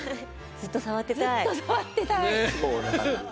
ずっと触ってたい！